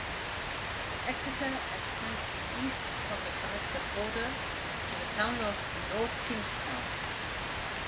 Exeter extends east from the Connecticut border to the town of North Kingstown.